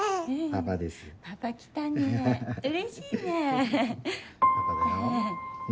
パパ来たねうれしいね。